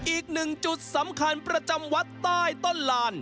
อีกหนึ่งจุดสำคัญประจำวัดใต้ต้นลาน